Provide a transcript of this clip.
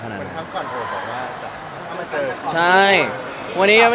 แล้วถ่ายละครมันก็๘๙เดือนอะไรอย่างนี้